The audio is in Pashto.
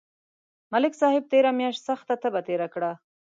ملک صاحب تېره میاشت سخته تبه تېره کړه